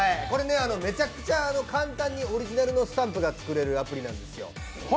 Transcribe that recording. これね、めちゃくちゃ簡単にオリジナルのスタンプが作れるアプリなんですよ。